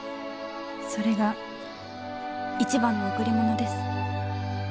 それが一番の贈り物です。